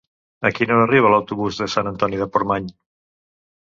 A quina hora arriba l'autobús de Sant Antoni de Portmany?